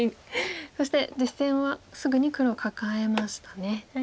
そして実戦はすぐに黒カカえましたね。